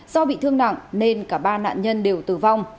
do bị thương nặng nên cả ba nạn nhân đều tử vong